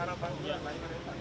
di tempat yang asli di jemaah